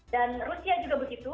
dan rusia juga begitu